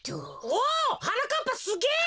おはなかっぱすげえ！